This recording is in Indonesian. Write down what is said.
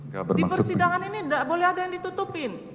di persidangan ini boleh ada yang ditutupin